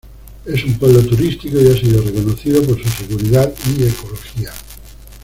Es un pueblo turístico y ha sido reconocido por su seguridad y ecología.